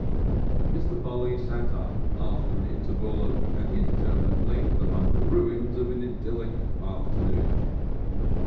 Mr. Polly sat up after an interval of an indeterminate length among the ruins of an idyllic afternoon.